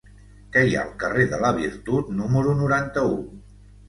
Què hi ha al carrer de la Virtut número noranta-u?